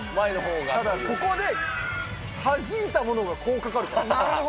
ただここで、はじいたものがこうかかるから。